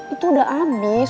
itu udah abis